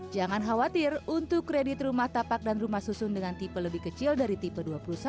jangan khawatir untuk kredit rumah tapak dan rumah susun dengan tipe lebih kecil dari tipe dua puluh satu